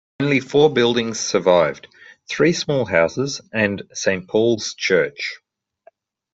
Only four buildings survived: three small houses and Saint Paul's Church.